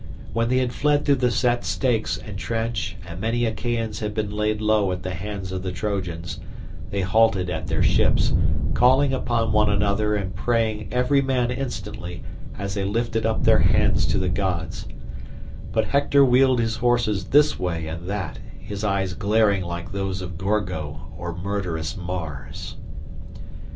When they had fled through the set stakes and trench and many Achaeans had been laid low at the hands of the Trojans, they halted at their ships, calling upon one another and praying every man instantly as they lifted up their hands to the gods; but Hector wheeled his horses this way and that, his eyes glaring like those of Gorgo or murderous Mars.